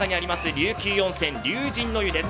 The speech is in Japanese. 琉球温泉龍神の湯です。